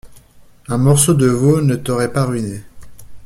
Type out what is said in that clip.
Un morceau de veau ne t’aurait pas ruiné.